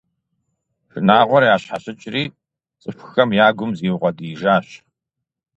Шынагъуэр ящхьэщыкӀри, цӀыхухэм я гум зиукъуэдиижащ.